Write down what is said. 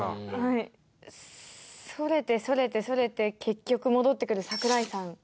それてそれてそれて結局戻ってくる桜井さん。